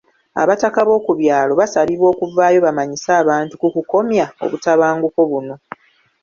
Abataka b'oku byalo basabibwa okuvaayo bamanyise abantu ku okukomya obutabanguko buno.